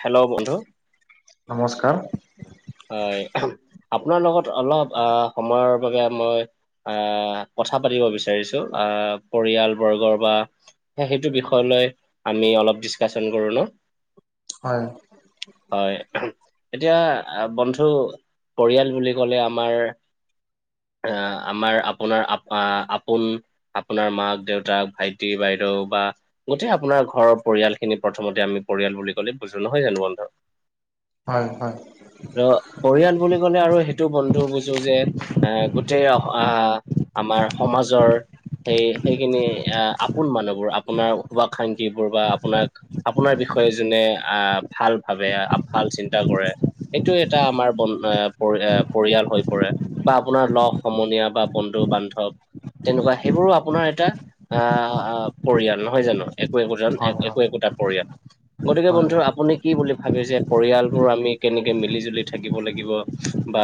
Hello বন্ধু। নমস্কাৰ। হয় আপোনাৰ লগত অলপ আহ সময়ৰ বাবে মই আহ, কথা পাতিব বিচাৰিছো আহ পৰিয়াল বৰ্গৰ বা। সেইটো বিষয় লৈ আমি অলপ ডিচকাচন কৰি লও। হয়। হয় এতিয়া। আহ, বন্ধু পৰিয়াল বুলি কলে আমাৰ। আহ, আমাৰ আপোনাৰ আপোন। আপোনাৰ মাক দেউতাক, ভাইটি বাইদেউ বা। গোটেই আপোনাৰ ঘৰৰ পৰিয়াল খিনি প্ৰথমতে আমি পৰিয়াল বুলি কলে বুজো নহয় জানো বন্ধু। হয় হয়। ত' পৰিয়াল বুলি ক'লে আৰু সেইটো বন্ধু বুজো যে। আহ, গোটেই আহ আমাৰ সমাজৰ। সেই সেইখিনি আহ আপোন মানুহবোৰ আপোনাৰ শুভ শাংক্ষী বোৰ বা আপোনাক। আপোনাৰ বিষয়ে যোনে আহ ভাল ভাবে, ভাল চিন্তা কৰে। এইটো এটা আমাৰ বন পৰি পৰিয়াল হৈ পৰে। বা আপোনাৰ লগ সমনীয়া বা বন্ধু বান্ধৱ তেনেকুৱা সেইবোৰো আপোনাৰ এটা। আহ পৰিয়াল নহয় জানো, একো একোজন হয় হয় একো একোটা পৰিয়াল। গতিকে হয় বন্ধু আপুনি কি বুলি ভাবে যে পৰিয়ালবোৰ আমি। কেনেকে মিলি জুলি থাকিব লাগিব, বা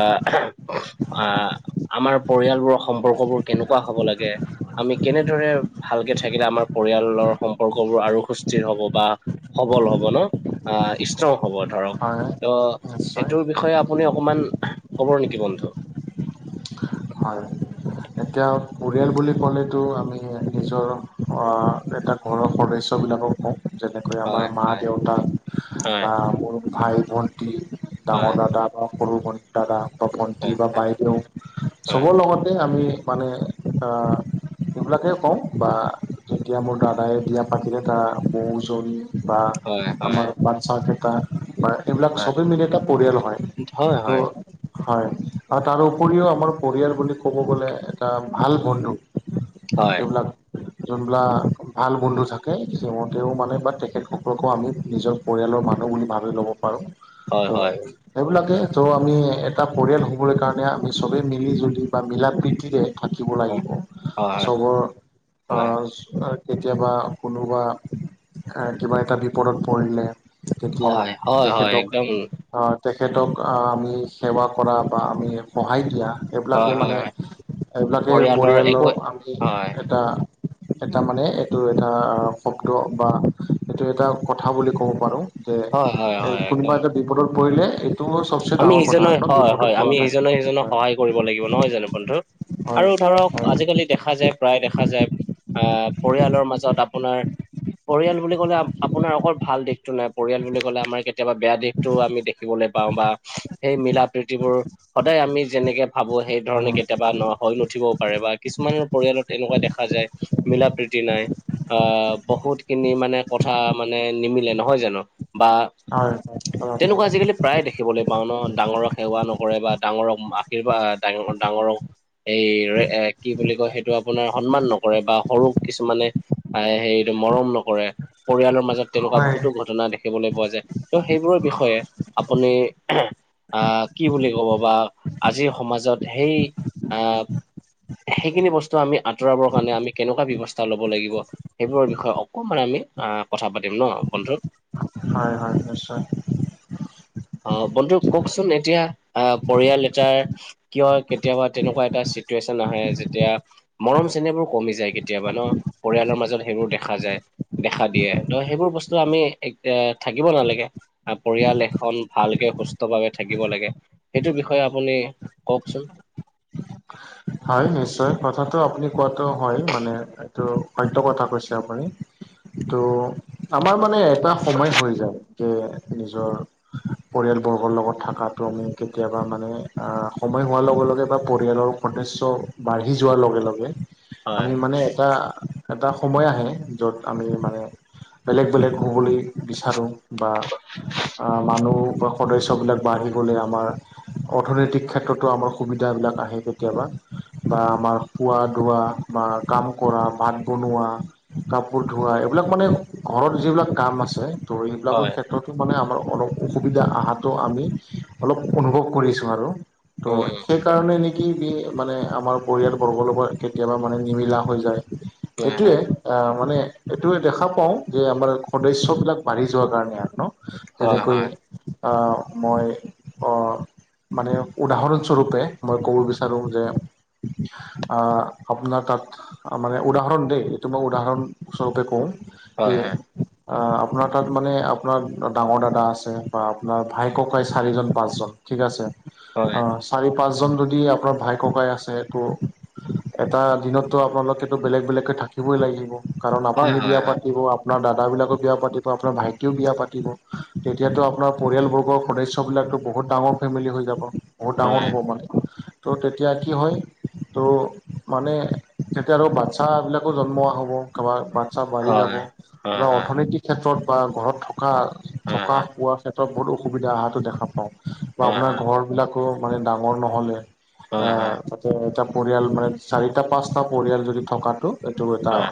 আহ। আমাৰ পৰিয়ালবোৰৰ সম্পৰ্কবোৰ কেনেকুৱা হব লাগে। আমি কেনেদৰে ভালকে থাকিলে আমাৰ পৰিয়ালৰ সম্পৰ্কবোৰ আৰু সুস্থিৰ হব বা। সবল হব ন, ষ্ট্ৰং হব ধৰক। হয় ত' নিশ্চয় সেইটোৰ বিষয়ে আপুনি অকমান কব নেকি বন্ধু। হয় এতিয়া পৰিয়াল বুলি ক'লেতো আমি নিজৰ এটা ঘৰৰ সদস্যবিলাকক। [inaudible] আমাৰ হয় মা হয় দেউতা হয় বা মোৰ ভাই ভণ্টী ডাঙৰ হয় দাদা। বা সৰু বটা বা ভণ্টি হয় বা হয় বাইদেউ হয় চবৰ লগতে আমি। মানে ধৰা সেইবিলাকে কওঁ বা। যেতিয়া মোৰ দাদাই বিয়া পাতিলে তাৰ বৌজনী। বা হয় হয় আমাৰ বাচ্চাকেটা। বা এইবিলাক হয় চবেই মিলি এটা পৰিয়াল হয় হয় হয় ত'। হয় আৰু তাৰ উপৰিও আমাৰ পৰিয়াল বুলি ক'ব গ'লে। এটা ভাল বন্ধু হয় এইবিলাক। যোনবিলাক ভাল বন্ধু থাকে সিহঁতেও মানে বা তেখেতসকলকো আমি নিজক। পৰিয়ালৰ মানুহ বুলি ভাবি ল'ব পাৰোঁ হয় ত'। হয় সেইবিলাকে ত' আমি এটা পৰিয়াল হবলৈ কাৰণে আমি চবে মিলি জুলি বা মিলা প্ৰীতিৰে। থাকিব হয় লাগিব, হয় হয় চবৰ। হয় কেতিয়াবা কোনোবা কিবা এটা বিপদত পৰিলে। তেতিয়া হয়, হয়, হয়, তেখেতক। একদম তেখেতক আমি সেৱা কৰা বা আমি সহায় দিয়া হয়, সেইবিলাকে হয়, মানে। হয়, তাকে পৰিয়ালৰ আমি হয়, এটা। এটা মানে এইটো এটা শব্দ বা এইটো এটা কথা বুলি ক'ব পাৰো। যে হয়, হয়, এ হয়, কোনোবা একদম। এটা বিপদত পৰিলে এইটো চব। আমি ইজনে হয় হয়, আমি ইজনে সিজনক হয় সহায় কৰিব লাগিব নহয় জানো বন্ধু আৰু হয় ধৰক। উম আজিকালি দেখা যায় প্ৰায় দেখা যায়, আহ পৰিয়ালৰ মাজত আপোনাৰ। পৰিয়াল বুলি ক'লে আপোনাৰ অকল ভাল দিশতটো নাই, পৰিয়াল বুলি ক'লে আমাৰ কেতিয়াবা বেয়া দিশ। টোও আমি দেখিবলৈ পাওঁ বা- সেই মিলা প্ৰীতিবোৰ সদায় আমি যেনেকে ভাবো সেই ধৰণে কেতিয়াবা ন- হৈ নুঠিবও পাৰে বা কিছুমানৰ পৰিয়ালত এনেকুৱা দেখা যায় মিলা প্ৰীতি নাই। আহ বহুত খিনি মানে কথা মানে নিমিলে নহয় জানো। বা তেনেকুৱা আজিকালি প্ৰায় দেখে। দখিবলৈ পাওঁ ন ডাঙৰক সেৱা নকৰে বা ডাঙৰক আশীৰ্বাদ ডাঙৰ ডাঙৰক- এই এ কি বুলি কয় সেইটো আপোনাৰ সন্মান নকৰে বা সৰু কিছুমানে- পায় সেইটো মৰম নকৰে পৰিয়ালৰ মাজত- তেনেকুৱা হয় হয় বহুতো ঘটনা দেখিবলৈ পোৱা যায় ত' সেইবোৰৰ বিষয়ে আপুনি- আহ কি বুলি ক'ব বা আজিৰ সমাজত সেই আহ- সেইখিনি বস্তু আমি আতৰাবৰ কাৰণে আমি কেনেকুৱা ব্যৱস্থা ল'ব লাগিব। সেইবোৰৰ বিষয়ে অকণমান আমি আহ কথা পাতিম ন বন্ধু। হয় হয়, নিশ্চয়। অঁ বন্ধু কওকচোন এতিয়া আহ পৰিয়াল এটাৰ- কিয় কেতিয়াবা তেনেকুৱা এটা চিটুৱেশ্যন আহে যেতিয়া- মৰম চেনেবোৰ কমি যায় কেতিয়াবা ন পৰিয়ালৰ মাজত সেঙুৰ দেখা যায়। দেখা দিয়ে ত সেইবোৰ বস্তু আমি থাকিব এ নালাগে পৰিয়াল এখন- ভালকে সুস্থভাৱে থাকিব লাগে সেইটো বিষয়ে আপুনি কওকচোন। হয় নিশ্চয়, কথাটো আপুনি কোৱাটো হয় মানে- সত্য কথা কৈছে আপুনি টো আমাৰ মানে- এটা সময় হৈ যায় যে নিজৰ- পৰিয়ালবৰ্গৰ লগত থকাটো আমি কেতিয়াবা মানে অঁ সময় হোৱাৰ লগে লগে বা পৰিয়ালৰ- সদস্য বাঢ়ি যোৱাৰ লগে লগে হয় আমি মানে এটা- এটা সময় আহে য'ত আমি মানে বেলেগ বেলেগ হ'বলৈ বিচাৰোঁ বা- আহ মানুহ বা সদস্য বিলাক বাঢ়িব গলে আমাৰ- অৰ্থনৈতিক ক্ষেত্ৰতো আমাৰ সুবিধাবিলাক আহে কে- তিয়াবা বা আমাৰ খোৱা দোৱা বা কাম কৰা ভাত বনোৱা- কাপোৰ ধোৱা এইবিলাক মানে ঘৰত যিবিলাক কাম আছে ত' এইবিলাকৰ হয় ক্ষেত্ৰত- মানে আমাৰ অলপ অসুবিধা আহাটো আমি অলপ অনুভৱ কৰিছোঁ আৰু। ত' উম সেইকাৰণে নিক- মানে আমাৰ পৰিয়ালবৰ্গৰ লগত কেতিয়াবা মানে নিমিলা হৈ যায় হয় সেইটোৱে। হয় অঁ মানে এইটোয়ে দেখা পাও যে আমাৰ সদস্য বিলাক বাঢ়ি যোৱাৰ কাৰণে আৰ ন। হয় যেনেকৈ, অঁ মই অঁ মানে উদাহৰণস্বৰূপে মই- ক'ব বিচাৰোঁ যে অঁ আপোনাৰ তাত। মানে উদাহৰণ দেই এইটো মই উদাহৰণস্বৰূপে কওঁ যে, হয় হয় অঁ আপোনাৰ তাত মানে আপোনাৰ ডাঙৰ দাদা আছে বা আপোনাৰ ভাই ককাই চাৰিজন পাঁচজন- ঠিক আছে অঁ চাৰি পাঁচজন যদি আপোনাৰ ভাই ককাই আছে তো- এটা দিনতো আপোনালোকেটো বেলেগ বেলেগকৈ থাকিবই লাগিব কাৰণ হয় হয় আপুনিয়ে হয় বিয়া হয় পাতিব- আপোনাৰ দাদাবিলাকো বিয়া পাতিব আপোনাৰ ভাইটিও বিয়া পাতিব তেতিয়াতো আপোনাৰ পৰিয়ালবৰ্গৰ সদস্যবিলাকো- বহুত ডাঙৰ ফেমিলি হৈ যাব বহুত ডাঙৰ হয় হ'ব মানে ত' তেতিয়া কি হয়- ত' মানে তেতিয়া আৰু বাতচ্ছাবিলাকো জন্ম হ'ব। কাৰোবাৰ বাতচ্ছা বাঢ়ি হয় যাব হয় বা অৰ্থনৈতিক ক্ষেত্ৰত বা ঘৰত হয় থকা- হয় থকা হয় পোৱা ক্ষেত্ৰত বহুত অসুবিধা অহাটো দেখা পাওঁ বা হয় হয় আপোনাৰ ঘৰ বিলাক- ক মানে ডাঙৰ নহ'লে হয় হয় অঁ'। যে এটা পৰিয়াল মানে চাৰিটা পাঁচটা পৰিয়াল যদি থকাটো এইটো এটা হয়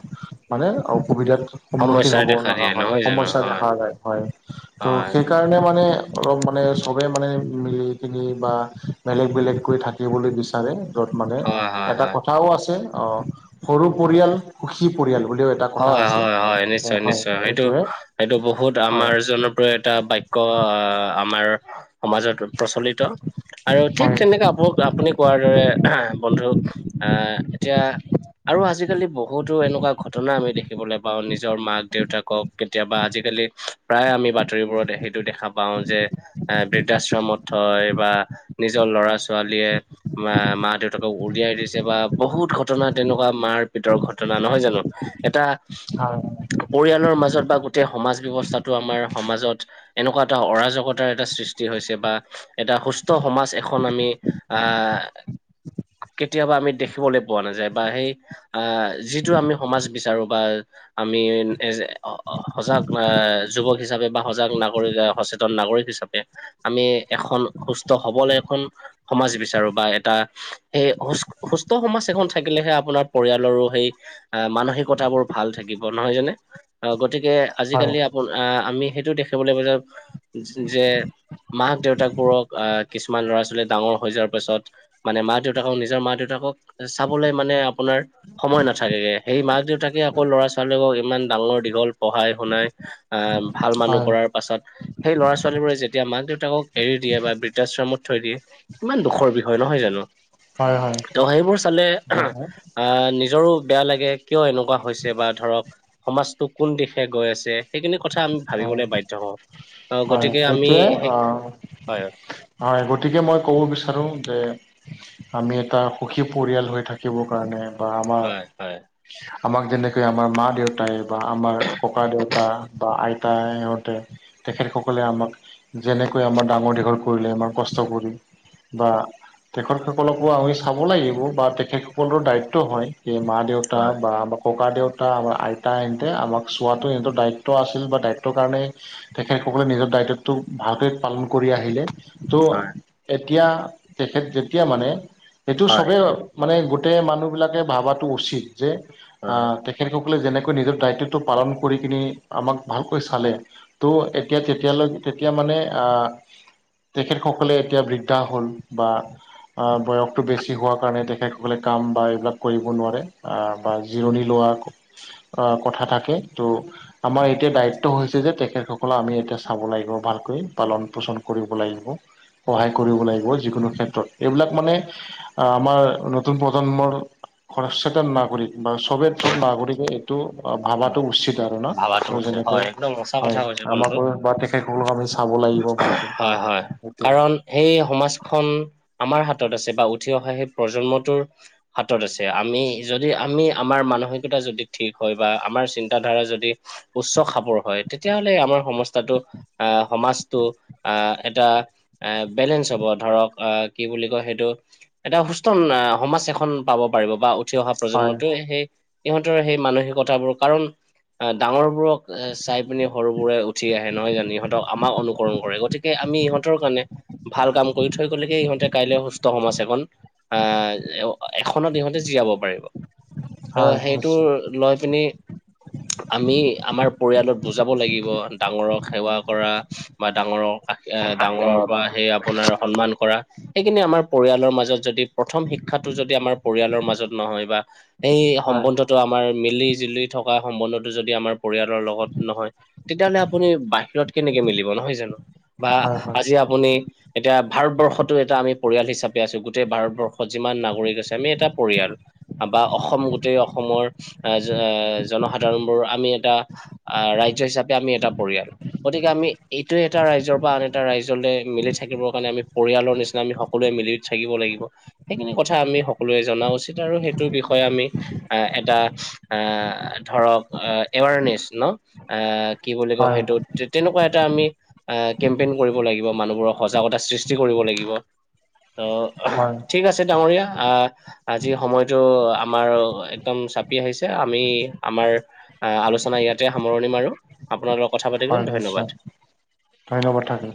মানে অসুবিধাত সন্মুখীন সমস্যাই হ'ব দেখা লগা দিয়ে হয় নহয় জানো? সমস্যা হয়, দেখা যায় হয় ত' সেই হয়, সেইকাৰণে মানে অলপ মানে ছবে মানে মিলি জুলি বা বেলেগ বেলেগকৈ থাকিবলৈ বিচাৰে যত মানে হয়, হয়, এটা হয়। কথা কথাও আছে অ', সৰু পৰিয়াল সুখী পৰিয়াল বুলিও এটা কথা হয় - আছে হয় - হয়, অ' নিশ্চয় - হয় নিশ্চয় সেইটো সেইটোৱে সেইটো বহুত হয় আমাৰ জন আৰু এটা বাক্য আমাৰ সমাজত প্ৰচলিত আৰু ঠিক হয় তেনেকে [unintelligible] আপুনি কোৱাৰ দৰে বন্ধু আ, এতিয়া আৰু আজিকালি বহুতো এনেকুৱা ঘট ঘটনা আমি দেখিবলৈ পাওঁ নিজৰ মাক দেউতাকক কেতিয়াবা আজিকালি প্ৰায় আমি বাতৰিবোৰত সেইটো দেখা পাওঁ যে এ বৃদ্ধাশ্ৰমত থয় বা নিজৰ ল'ৰা ছোৱালীয়ে মা মা দেউতাকক উলিয়াই দিছে বা বহুত ঘটনা তেনেকুৱা মাৰ পিতৰ ঘটনা নহয় জানো? এটা হয় - হয় পৰিয়ালৰ মাজত বা গোটেই সমাজ ব্যৱস্থাটো আমাৰ সমাজত এনেকুৱা এটা অৰাজকতাৰ এটা সৃষ্টি হৈছে বা এটা সুস্থ সমাজ এখন আমি আ কেতিয়াবা আমি দেখিবলৈ পোৱা নাযায় বা সেই অ', যিটো আমি সমাজ বিচাৰো বা আমি এজ সজাগ আ, যুৱক হিচাপে বা সজাগ নাগৰিক সচেতন নাগৰিক হিচাপে আমি এখন সুস্থ হবলৈ এখন সমাজ বিচাৰো বা এটা সেই সু সুস্থ, সমাজ এখন থাকিলেহে আপোনাৰ পৰিয়ালৰো সেই আ, মানসিকতাবোৰ ভাল থাকিব নহয় জানে? আ, গতিকে হয় হয় আজিকালি আ, আমি সেইটো দেখিবলৈ পোৱা যাওঁ যে মাক দেউতাক বোৰক আ, কিছুমান ল'ৰা ছোৱালী ডাঙৰ হৈ যোৱাৰ পিছত মানে মা দেউতাকক নিজৰ মা দেউতাকক চাবলৈ মানে আপোনাৰ সময় নাথাকেগে সেই মাক দেউতাকে আকৌ ল'ৰা ছোৱালীকক ইমান ডাঙৰ দীঘল পঢ়াই শুনাই আ, ভাল মানুহ কৰাৰ পাছত সেই ল'ৰা ছোৱালীবোৰে যেতিয়া মাক দেউতাকক এৰি দিয়ে বা বৃধাশ্ৰমত থৈ দিয়ে কিমান দুখৰ বিষয় নহয় জানো? হয় ত' সেইবোৰ চালে হয় আ, নিজৰো বেয়া লাগে। কিয় এনেকুৱা হৈছে বা ধৰক সমাজটো কোন দিশে গৈ আছে। সেইখিনি কথা আমি হয় ভাবিবলৈ বাধ্য হওঁ হয় গতিকে আমি সেইটোৱে সেই অ হয় হয়, গতিকে মই ক'ব বিচাৰোঁ যে আমি এটা সুখী পৰিয়াল হৈ থাকিব কাৰণে বা আমাৰ হয় হয়। আমাক যেনেকৈ আমাৰ মা দেউতাই বা আমাৰ ককা দেউতা বা আইতা সিহঁতে তেখেতসকলে আমাক যেনেকৈ আমাৰ ডাঙৰ দীঘল কৰিলে আমাৰ কষ্ট কৰি বা তেখেত সকলকো আমি চাব লাগিব বা তেখেতসকলৰ দায়িত্ব হয় কি মা দেউতা হয়। বা আমাৰ ককা দেউতা আমাৰ আইতা এনতে আমাক চোৱাতো সিহঁতৰ দায়িত্ব আছিল বা দায়িত্বৰ কাৰণে তেখেতসকলে নিজৰ দায়িত্বটো ভালকে পালন কৰি আহিলে তো হয় এতিয়া তেখেত যেতিয়া মানে সেইটো হয় চবেই, মানে গোটেই মানুহ বিলাকে ভাবাটো উচিত যে হয় আহ তেখেত সক লে যেনেকৈ নিজৰ দায়িত্বটো পালন কৰি কিনে, আমাক ভালকৈ চালে ত' এতিয়া তেতিয়ালৈ তেতিয়া মানে আ তেখেতসকলে এতিয়া বৃদ্ধা হ'ল বা। বয়সটো বেছি হোৱা কাৰণে তেখেতসকলে কাম বা এইবিলাক কৰিব নোৱাৰে। বা জিৰণি লোৱা কথা থাকে তো। ' আমাৰ এতিয়া দায়িত্ব হৈছে যে তেখেতসকলক আমি এতিয়া চাব লাগিব ভালকৈ পালন পোষণ কৰিব লাগিব। সহায় কৰিব লাগিব যিকোনো ক্ষেত্ৰত এইবিলাক মানে। আমাৰ নতুন প্ৰজন্মৰ সচেতন নাগৰিক বা চবে, চব নাগৰিকে এইটো অ হয় ভাবাটো উচিত আৰু ন, ভাবাটো ত' যেনেকৈ হয়, একদম সঁচা হয় কথা কৈছে বন্ধু আমাকো বা তেখেতসকলক আমি চাব লাগ হয়, হয় কাৰণ, সেই সমাজখন আমাৰ হাতত আছে বা উঠি অহা সেই প্ৰজন্মটোৰ, হাতত আছে আমি যদি আমি আমাৰ মানসিকতা যদি ঠিক হয় বা আমাৰ চিন্তাধাৰা যদি, উচ্চ খাপৰ হয়, তেতিয়াহ'লে আমাৰ সমস্যাটো আহ, সমাজটো আহ এটা এ বেলেঞ্চ হ'ব ধৰক আহ কি বুলি কয় সেইটো, এটা সুস্থ আহ সমাজ এখন পাব পাৰিব বা উঠি অহা হয় প্ৰজন্মটোৱে সেই, ইহঁতৰ সেই মানসিক কতাবোৰ কাৰণ? অ, ডাঙৰ বোৰক চাই পিনি সৰু বোৰে উঠি আহে নহয় জানো ইহত আমাক অনুকৰণ কৰে গতিকে আমি ইহঁতৰ কাৰণে, ভাল কাম কৰি থৈ গ'লেকে ইহঁতে কাইলৈ সুস্থ সমাজ এখন, আহ এখনৰ ইহতে জীয়াব পাৰিব। ত হয় সেইটো নিশ্চয় লৈ পিনি আমি আমাৰ পৰিয়ালত বুজাব লাগিব ডাঙৰক সেৱা কৰা বা ডাঙৰৰ ডাঙৰৰ পৰা সেই আপোনাৰ সন্মান কৰা, সেইখিনি আমাৰ পৰিয়ালৰ মাজত যদি প্ৰথম শিক্ষাটো যদি আমাৰ পৰিয়ালৰ মাজত নহয় বা, সেই হয় সম্বন্ধটো আমাৰ মিলি জুলি থকা সম্বন্ধটো যদি আমাৰ, পৰিয়ালৰ লগত নহয় তেতিয়া হ'লে আপুনি বাহিৰত কেনেকে মিলিব নহয় জানো বা হয় হয় আ জি আপুনি, এতিয়া ভাৰতবৰ্ষতো এটা আমি পৰিয়াল হিচাপে আছো, গোটেই ভাৰতবৰ্ষত যিমান নাগৰিক আছে আমি এটা পৰিয়াল। বা অসম গোটেই অসমৰ আহ জনসাধাৰণ বোৰ আমি এটা, আহ ৰাজ্য হিচাপে আমি এটা পৰিয়াল। গতিকে আমি এইটোৱে এটা ৰাইজৰ পৰা আন এটা ৰাইজলৈ মিলি থাকিবৰ কাৰণে আমি পৰিয়ালৰ নিচিনা আমি, সকলোৱে মিলি থাকিব লাগিব সেইখিনি কথা আমি সকলোৱে জনা উচিত আৰু সেইটোৰ বিষয়ে আমি, আহ এটা আহ ধৰক এৱাৰনেছ ন আহ কি বুলি কয় হয় সেইটোত তেনেকুৱা এটা আমি, আহ কেম্পেইন কৰিব লাগিব মানুহবোৰৰ সজাগতা সৃষ্টি কৰিব লাগিব অ হয় ঠিক আছে ডাঙৰীয়া আহ আজি সময়টো আমাৰ একদম চাপি আহিছে আমি আমাৰ, আহ আলোচনা ইয়াতে সামৰণি মাৰো আপোনাৰ লগত কথা পাতিলো হয় ধন্যবাদ। নিশ্চয় ধন্যবাদ থাকিল